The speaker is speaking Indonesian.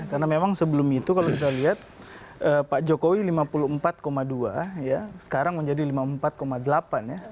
karena memang sebelum itu kalau kita lihat pak jokowi lima puluh empat dua ya sekarang menjadi lima puluh empat delapan ya